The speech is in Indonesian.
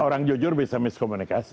orang jujur bisa miskomunikasi